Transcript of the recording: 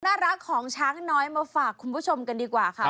น่ารักของช้างน้อยมาฝากคุณผู้ชมกันดีกว่าค่ะ